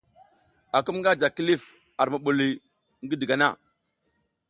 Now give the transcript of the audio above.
Akum nga ji kilif ar mubuliy ngi digana.